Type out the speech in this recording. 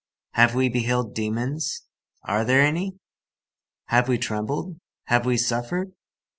Have we beheld demons? Are there any? Have we trembled? Have we suffered?